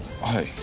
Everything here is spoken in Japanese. はい。